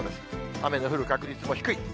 雨の降る確率も低い。